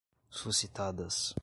suscitadas